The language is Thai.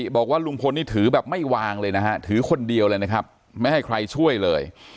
บอกว่าลุงพลนี่ถือแบบไม่วางเลยนะฮะถือคนเดียวเลยนะครับไม่ให้ใครช่วยเลย